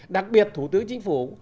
đặc biệt thủ tướng chính phủ